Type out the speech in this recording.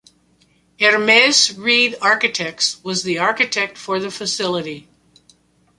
Hermes Reed Architects was the architect for the facility.